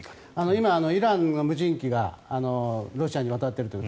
今イランの無人機がロシアにわたっていると。